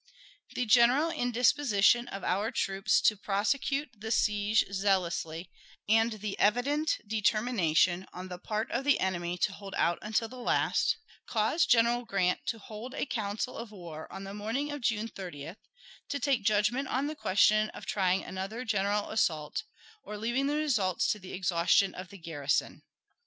The general indisposition of our troops to prosecute the siege zealously, and the evident determination on the part of the enemy to hold out until the last, caused General Grant to hold a council of war on the morning of June 30th, to take judgment on the question of trying another general assault, or leaving the result to the exhaustion of the garrison.